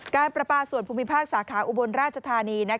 การประปาส่วนภูมิภาคสาขาอุบลราชธานี